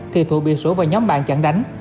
thì thụ bị sửu và nhóm bạn chặn đánh